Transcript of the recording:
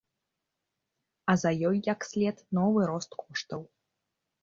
А за ёй, як след, новы рост коштаў.